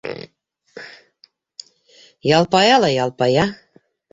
Ялпая ла ялпая...